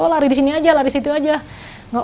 oh lari di sini aja lari situ aja